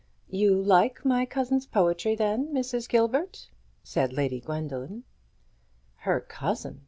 "You like my cousin's poetry, then, Mrs. Gilbert?" said Lady Gwendoline. Her cousin!